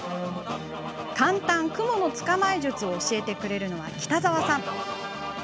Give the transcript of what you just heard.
簡単クモの捕まえ術を教えてくれるのは北沢さん。